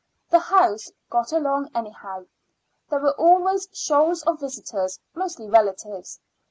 The house got along anyhow. There were always shoals of visitors, mostly relatives.